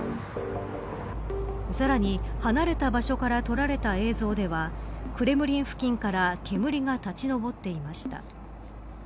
さらに、離れた場所から撮られた映像ではクレムリン付近から煙が立ち上っていました。